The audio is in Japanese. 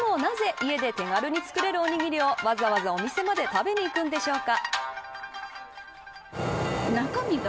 でもなぜ家で手軽に作れるおにぎりをわざわざお店まで食べに行くのでしょうか。